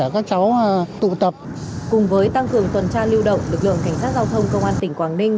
cùng với tăng cường tuần tra lưu động lực lượng cảnh sát giao thông công an tỉnh quảng ninh